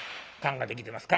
燗ができてます。